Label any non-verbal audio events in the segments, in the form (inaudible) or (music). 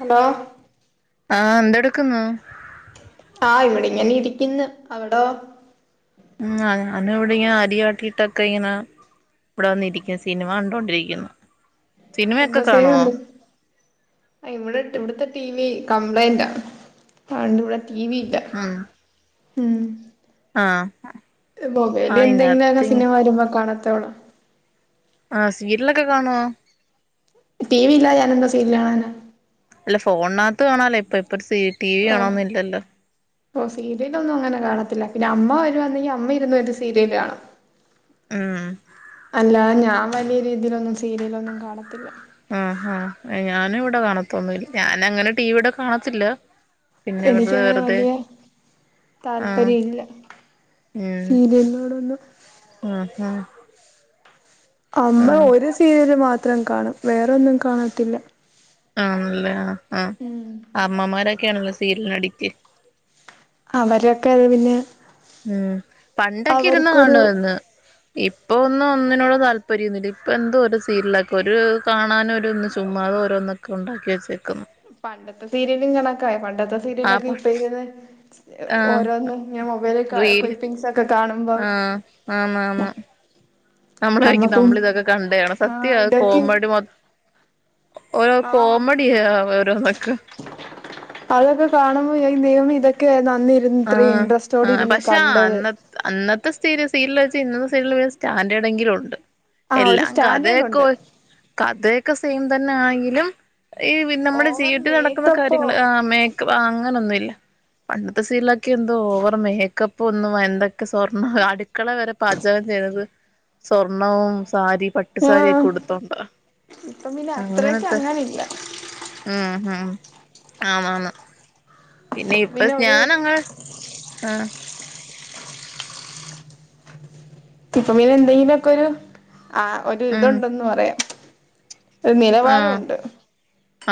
Hello ആഎന്തെടുക്കുന്നു ആഇവിടെ ഇങ്ങനെ ഇരിക്കുന്നു അവിടോ ഉ ഞാന ഇവിടെ അരിയാട്ടിട്ടൊക്കെ ഇങ്ങനെ ഇവിടെ വന്നിരിക്കുന്ന സിനിമ കണ്ടോണ്ടിരിക്കുന്നു സിനിമയൊക്കെ എന്തോ കാണുവോ ചെയന്ന് ഇവിടെ ഇവിടത്തെ ടി വി കംപ്ലൈയിൻറ് കണ്ടവിടെ ടിവിഇല്ല ഉം ഉം ആഹ് മോബൽ ആഹ് എന്തെങ്കിലുംെ ഇതിനകത്ത് സിനിമ വരുമ്പോ കാണ പത്തോള ആ സീരിലൊക്കെ കാണുവോ ടി വി ഇല്ല ഞാാന എന്താ സീരി കാണനെ അല്ല ഫോണിനകത്ത് കാണാലേ ഇപ്പൊ അപ്പ സി ടിവി ആണോന്നുംല്ലല്ലോ ഓ സീരിയലൊന്നും അങ്ങനെ കാണത്തില്ല പിന്നെ അമ്മ വരുവാണെങ്കിൽ അമ്മ ഇരുന്ന് ഒരു സീരിയൽ കാണാം ഉം അല്ല ഞാൻ വലിയ രീതിയിലൊന്ന ആ ആഅ ഇവിടെ കാണ തൊന്നില്ല ഞാന അങ്ങനെ ടിിയുടെ കാണത്തില്ല പിന്നെ വെറുതെ എനിക്കങ്ങനെ വെറുതെ വലിയ ആഹ് താല്പര്യമല്ല ഉം ഫീല എന്നോടൊന്നും ആഹ് ആഹ് അമ്മ ആഹ് ഒരു സീരിയല് മാത്രം അത്രം കാണും വേറെൊന്നും കാണത്തില്ല ആണല്ലേ ആ ആ അമ്മാമാരൊക്കെയ ആണല്ലോ സീരൽ നടിക്ക് അവരൊക്കെ അത് പിന്നെ ഉം പണ്ടൊക്കെ ഇരുന്ന് അവർക്കൊരു കാണുവന്ന് ഇപ്പോ ഒന്നും ഒന്നിനോട് താല്പര്യൊന്നുമില്ല ഇപ്പോ എന്തോ ഓരു സീരിയലൊക്കെ ഒരു കാണാനും ഒരു ഒന്ന് ചുമ്മാതെ ഓരോന്നൊക്കെ ഒണ്ടാക്കി വെച്ചേക്കുന്നു പണ്ടത്തെ സീരിയലും കണക്കാ പണ്ടത്തെ ഇപ്പത്തെ ആ സീരിയലൊക്കെ പ ഇട്ടിരിക്കുന്നെ സ് ഇ ആഹ് ഓരോന്നും മൊബൈലിൽ റീല് ക്ലിപ്പിങ്സ് ഒക്കെ കാണുമ്പോ ആഹ് ആന്ന് ആന്ന് നമ്മള് വിചാരിക്കും നമ്മുക്കും നമ്മളിതൊക്കെ കണ്ടയാണ് ആ സത്യവാ ഇതൊക്കെ കോമഡി മൊ ഓരോ ആഹ് കോമഡിയ ആ ഓരോന്നൊക്ക് അതൊക്കെ കാണുമ്പോ വിചാരിക്കും ദൈവമേ ഇതൊക്കെ ഏതാന്ന് ആ ആ പക്ഷെ അന്നത് അന്നത്തെ സീരിയസ് സീരിയല് വെച്ച് ഇന്നത്തെ സീരിയലിന് പിന്നെ സ്റ്റാൻഡേഡെങ്കിലും ഉണ്ട് ആഹ് ഒരു എല്ലാം സ്റ്റാൻഡേർഡ് ഉണ്ട് കഥയൊക്കോയി കഥയൊക്ക് ക്കെ സെയിം തന്നെ ആണെങ്കിലും ഈ വി നമ്മുടെ ഓവർ ജീവിട്ടിൽ നടക്കുന്ന മേക്കപ്പോ കാര്യങ്ങള് ആ മേക്കപ്പ് അങ്ങനൊന്നും ഇൽ ഇല്ല അന്നും സീരിയലൊക് ക്കെന്തോ ഓവർ മേക്കപ്പ് ഇപ്പൊന്നും എന്തക് സ്വർണ്ണവാ അടുക്കള വരെ പാചകം ചെയ്യുന്നത് സ്വർണ്ണവും സ് സാരി പട്ടു ആഹ് സാരിയൊക്കെ ഉടുത്തോണ്ടാ ഇപ്പം പിന്നെ അത്രക്ക് അങ്ങനത്തെ അങ്ങനില്ല ഉംഉം ആന്നാന്ന് പിന്നെ ഇപ്പൊ സ് ഞാൻ അങ്ങനെ ആ ഇപ്പ പിന്നെ എന്തെങ്കിലും ഒക്കെയൊരു ആ ഒരു ഉം ഇതുണ്ടന്ന് പറയാം ഒരു നിലവാരം ആഹ് വൊണ്ട്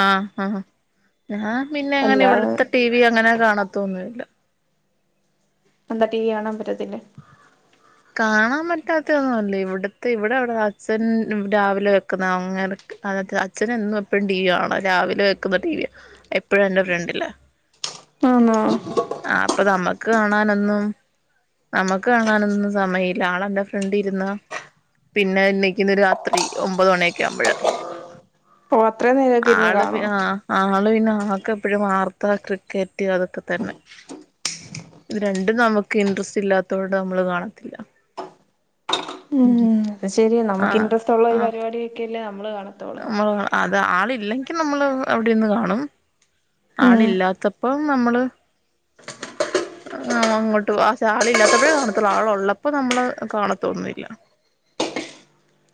ആഹ് ആഹ് ഞാൻ പിന്നെ എങ്ങനെ അല്ലാതെ ഇവിടുത്തെ ടി വി അങ്ങനെ കാണാത്തൊന്നുമില്ല എന്താ ടി വി കാണാൻ പറ്റത്തില്ലേ കാണാൻ പറ്റാത്ത ഒന്നുവല്ല ഇവിടത്തെ ഇവിടെ അവിടെ അച്ഛൻ രാവിലെ വെക്കുന്ന അങ്ങേർക്ക് അ അച്ഛൻ എന്നും എപ്പഴും ടി വി വേണം രാവിലെ വെക്കുന്ന ടി വി എപ്പഴും എൻ്റെ ഫ്രണ്ടിലാ ആന്നോ ആ അപ്പൊ നമ്മക്ക് കാണാനൊന്നും നമ്മക്ക് കാണാനൊന്നും സമയമില്ല ആളെൻ്റെ ഫ്രണ്ടി ഇരുന്ന പിന്നെ എണിക്കുന്ന രാത്രി ഒമ്പത് മണിയൊക്കെ ആവുമ്പഴാ ഓ അത്രേം നേരൊക്കെ ഇരുന്നു കാണുവോ? ആക്ക് എപ്പഴും വാർത്ത ക്രിക്കറ്റ് അതൊക്കെ തന്നെ ഇത് രണ്ടും നമുക്ക് ഇൻട്രസ്റ്റ് ഇല്ലാത്തോണ്ട് നമ്മൾ കാണത്തില്ല ഉം അത് ശെരിയാ നമുക്ക് ഇൻട്രസ്റ്റ് ഉള്ള ഒരു പരിപാടിയൊക്കെയല്ലേ അപ് നമ്മള് കാണു മൊ അത് ത് ആളില്ലെങ്കിൽ നമ്മള് അവിടെന്ന് കാണും ആള് ഉം ഇല്ലാത്തപ്പോ നമ്മള് ആഹ് അങ്ങോട്ട് ആഹ് ആള് ഇല്ലാത്തപ്പോഴേ കാണത്തുള്ള ആള് ഉള്ളപ്പോ നമ്മള് കാണത്തൊന്നില്ല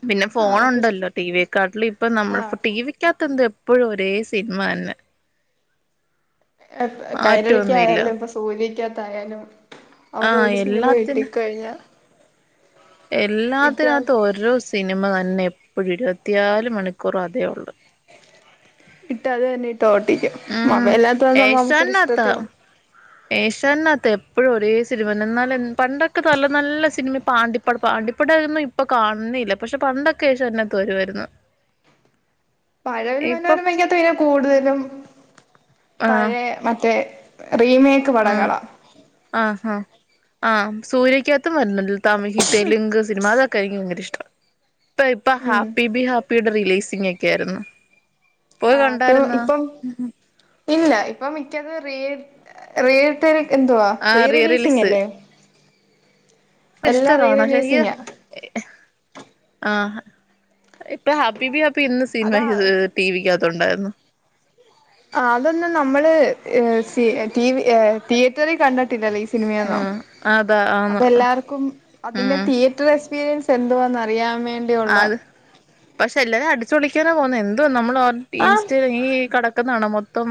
പിന്നെ നമുക്ക് ഇഷ് ഫോണുണ്ടല്ലോ ടിവിയക്കാട്ടിൽ ഇപ്പ ആ നമ്മൾ ടി വി ക്കകത്ത് എന്ത് എപ്പോഴും ഒരേ സിനിമ തന്നെ മാറ്റൊന്നുമില്ല കൈരളിക്കയാലും ഇപ്പൊ സൂര്യക്കകത്തയാലും അവര് ഒരു സിനിമ കിട്ടിക്ക കഴിഞ്ഞാ എല്ലാത്തിനകത്ത് ഓരു സിനിമ ത ന്നെ എപ്പഴും ഇരുപത്തിയാല് മണിക്കൂറും അതേ ഉള്ളു ഇട്ടാത് തന്നെ തോട്ടിക്കും ഉം മൊബൈലിനത്ത് വന്ന ഏഷ്യാനകത്താ നമുക്കിഷ്ടത്തിന് പ്പൊ എപ്പൊഴും ഒരേ സിനിമന്നെ ന്നാലും പണ്ടൊക്കെ നല്ല നല്ല സിനിമ പാണ്ടിപ്പട പാണ്ടിപ്പടയിന്നും ഇപ്പൊ കാണുന്നേല്ല പക്ഷെ പണ്ടൊക്കെ ഏഷ്യാനത്ത് വരുവാരുന്നു പഴവിൽ മനോരമക്കത്ത് പിന്നെ കൂടുതലും ആഹ് പഴയ മറ്റേ റീമേക്ക് പടങ്ങളാ ആം സൂര്യക്ക് ത്തും വരുന്നില്ല തമികി തെലുങ്ക് സിനിമ അതൊ കഴിഞ്ഞും ങ്കരിഷ്ടാ ഇപ്പ ഇപ്പൊ ഉം ഹാപ്പി ബി ഹാപ്പി ടെ റിലീസ് ങ്ങേക്കാരുന്നു ആ ഇപ്പ ഇപ്പം ഇല്ല ഇപ്പം മിക്കത് റിയെ റിയേ ടെറി എന്തുവാ ആഹ് റീ റിലീസ് റീറിലീസിംഗല്ലേ ഇഷ്ട കാണാം ശെരിക ഏ ആ ഇപ്പ ഹാപ്പി ബി ഹാപ് പ്പിന്ന് സിനിമ അതാ ഇത് ടി വിക്കകത് ട്ടൊണ്ടായിരുന്നു ആഹ് അതൊന്നും നമ്മള് ഏഹ് സി ടി വി ഏഹ് തിയേറ്ററിൽ കണ്ടിട്ടില്ലല്ലേ ഈ സി സിനിമയൊന്നും ആഹ് അതാ അപ്പ ആന്ന് എല്ലാവർക്കും അതിന്റെ ഉം തിയറ്റർ എസ് ക്സ്പീരിയൻസ് എന്തുവാന്നറിയാൻ വേ ആഹ് അത് പക്ഷെ എല്ലാരും അടിച്ചൊളി പോന്നേ എന്തോ നമ്മള് (unintelligible) ആ ഇൻസ്റ്റായില് ഈ കട (unintelligible) മൊത്തം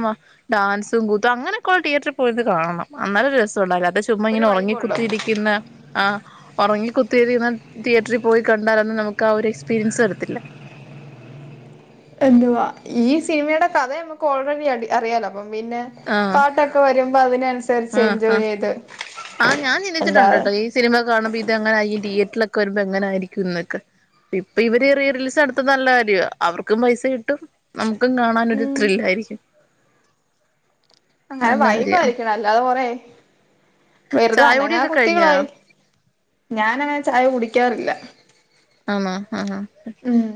ഡാൻസും കൂത്തും അങ്ങനെയൊക്കെള്ള തിയേറ്ററിൽ പോയത് കാണണം ഇന്നാലരൊരു രസം ചുമ്മ ഒരു ഇങ്ങനെ ഉറങ്ങ വൈബുള്ളു കുത്തിയിരിക്കുന്ന ആ ഉറങ്ങ (unintelligible) തിയേറ്ററിൽ പോയി കണ്ടാലെന്ന് നമുക്ക് ആ ഒരു എക്സ്പീരിയൻസ് തരത്തില്ല എന്തുവാ ഈ സിനിമയുടെ കഥയെ നമുക്ക് ഓൾറെഡി അറിയാലോ അപ്പം പിന്നെ ആ പാട്ടൊക്കെ വരുമ്പോ അതിനനുസരിച്ച് എൻജോയ് ആ ചെയ്ത് ആ ഞാൻ ചിന്തിച്ചിട്ടുണ്ട് അല്ലാതെ കേട്ടോ ഈ സിനിമെ കാണുമ്പോ ഇതങ്ങനെ ഈ തിയേറ്ററിലൊക്കെ വരുമ്പോ എങ്ങനെ ആരിക്കും ഇന്നൊക്കെ ഇപ്പൊ ഇവര് റിയ റിലീസ് നടത്ത നല്ല കാര്യ അവർക്കും പൈസ കിട്ടും നക്ക് നമുക്കും കാണാൻ ഒരു ഉം ത്രില്ല ആയിരിക്കും അങ്ങനെ വൈബ് കാര്യവാ ആയിരിക്കണം അല്ലാതെ കൊറേ വെറുതെ ചായ അനങ്ങ കുടിയൊക്കെ കഴിഞ്ഞാ കുത്തികളായി ഞാനങ്ങനെ ചായ കുടിക്കാറില്ല ആണോ ആഹ് ഉം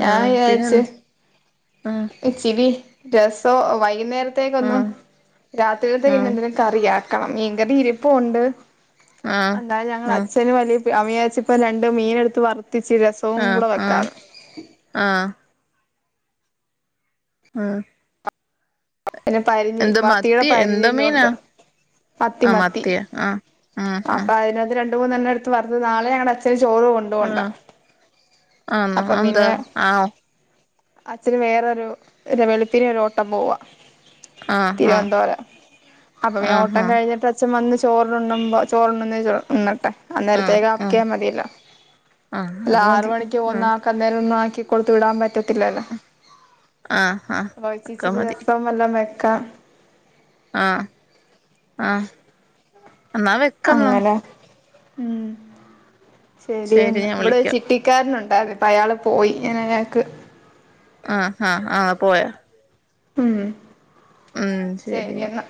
ഞാൻ ആഹ് പിന്നെ വിച്ചാരിച്ചു എന്ത് ആഹ് ഇച്ചിരി രസോ വൈ വൈകുന്നേരത്തേക്ക് ഒന്നും ആഹ് ആഹ് രാത്രിത്തേക്കെന്തെങ്കിലും കറിയാ അ (unintelligible) മീൻ കറി ഇരിപ്പുണ്ട്. ആഹ് എന്താ ഞങ്ങൾ അച്ഛനും വലിയ അമിയാച്ചി ഇപ്പ രണ്ട് മീന എടുത്ത് വറുത്തിച്ചിരെ (unintelligible) ആ ആ ആ ആ പിന്നെ പരിഞ്ഞി മത്തിയുടെ മത്തി എന്താ പരിഞ്ഞല്ല് മീനാ കൊണ്ട് മത്തി ആഹ് മത്തി മത്തിയാ ആഹ് ആഹ് അപ്പൊ അതിനാത്ത് രണ്ട് രണ്ട് മൂന്ന് എടുത്തു വറുത്ത് നാളെയാണ് അച്ഛ ചോറ് ആഹ് കൊണ്ടുപോണ്ടാ ആഹ് ആന്നോ അപ്പം അതെന്താ പിന്നെ ആഹ് അച്ഛന് വേറൊരു ഒരുവെളുപ്പിനെ ഒരോട്ടം പോവ ആഹ് തിരുവനന്തപുരം. അപ്പൊ ഞ ആഹ് ഓട്ടം ആഹ് കഴിഞ്ഞിട്ട് അച്ഛൻ വന്ന ചോറ് ഉണ്ണുമ്പം ചോറുണ്ണുന്നേ ഉണ്ണട്ട്. ആഹ് അന്നേരത്തേക്ക് ആഹ് ആക്കിയാ മതിയല്ലോ. ആഹ് അല്ല അത് ആറ മതി മണിക്ക് പോകുന്ന ആഹ് ആക്ക് അന്നേരം ഒന്നാ കൊടുത്തുവിടാൻ പറ്റ ത്തില്ലല്ലോ. ആഹ് ആഹ് അപ്പൊ ഇച് ഒക്കെ ഇച്ചിരി രസം വെല്ലം വെ ക്കാം. ആ ആ എന്നാ വെക്കെന്നാ അങ്ങനെ ഉം ശരി ശരിയെന്ന് ഞാൻ ഇവിടെ വിളിക്കാം ചിട്ടിക്കാരനുണ്ട് അതിപ്പ അയാള് പോയി ഇനി ഞങ്ങൾക്ക് ആ ആ ആ പോയോ? ഉം ഉം ശരിന്ന ശരിയെന്നാ